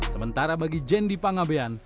sementara bagi jendi pangabean